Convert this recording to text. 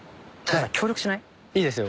いいですよ。